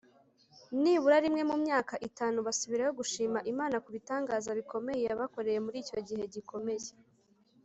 nibura rimwe mu myaka itanu basubirayo gushima Imana ku bitangaza bikomeye yabakoreye muri icyo gihe gikomeye.